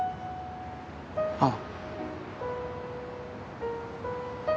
ああ。